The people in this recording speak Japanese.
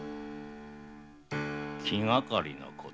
気がかりなこと？